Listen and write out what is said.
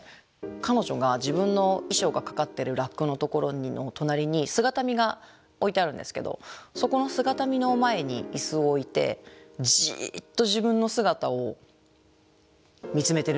彼女が自分の衣装がかかってるラックのところの隣に姿見が置いてあるんですけどそこの姿見の前に椅子を置いてじっと自分の姿を見つめてるんですよね。